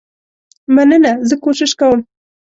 مننه زه کوشش کوم.